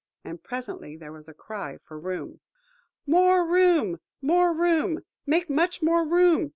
And presently there was a cry for room. "More room! more room! make much more room?